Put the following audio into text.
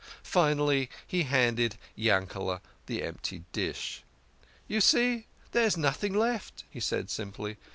Finally, he handed Yankete the empty dish. "You see there is nothing left," he said simply.